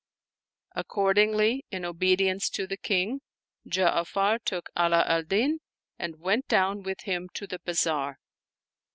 Accordingly in obedience to the King, Ja'afar took Ala al Din and went down with him to the bazaar.